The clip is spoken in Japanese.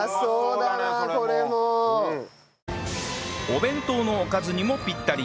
お弁当のおかずにもピッタリ